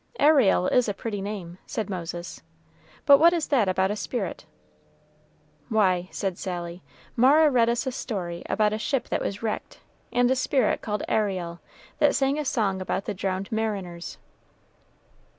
"Ariel is a pretty name," said Moses. "But what is that about a spirit?" "Why," said Sally, "Mara read us a story about a ship that was wrecked, and a spirit called Ariel, that sang a song about the drowned mariners."